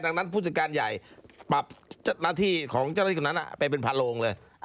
ดังนั้นผู้จัดการใหญ่ปรับเจ้าหน้าที่ของเจ้าหน้าที่คนนั้นไปเป็นพันโลงเลย